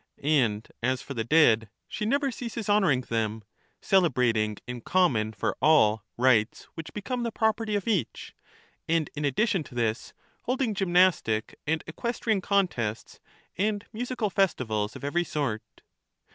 And as for the dead, she never ceases honouring them, celebrating in common for all rites which become the property of each ; and in addition to this, holding gymnastic and equestrian contests, and musical festivals of every sort.